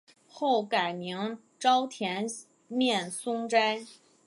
后改名沼田面松斋。